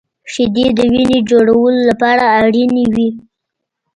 • شیدې د وینې جوړولو لپاره اړینې وي.